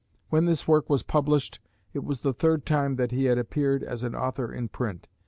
When this work was published, it was the third time that he had appeared as an author in print.